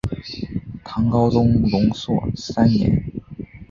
唐高宗龙朔三年。